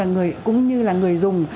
giống như là người dùng